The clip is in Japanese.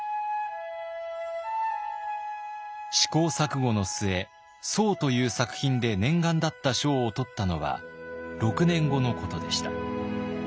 試行錯誤の末「」という作品で念願だった賞を取ったのは６年後のことでした。